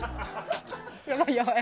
やばい、やばい。